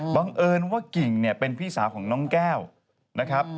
บังเอิญว่ากิ่งเนี่ยเป็นพี่สาวของน้องแก้วนะครับ